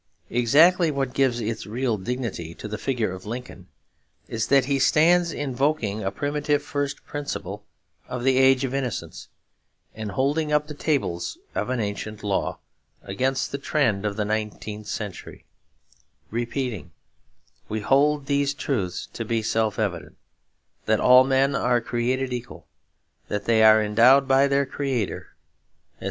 Exactly what gives its real dignity to the figure of Lincoln is that he stands invoking a primitive first principle of the age of innocence, and holding up the tables of an ancient law, against the trend of the nineteenth century; repeating, 'We hold these truths to be self evident; that all men are created equal, that they are endowed by their Creator, etc.